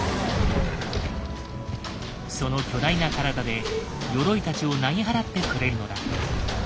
その巨大な体でヨロイたちをなぎ払ってくれるのだ。